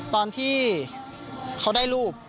ตอนที่เขาได้รูป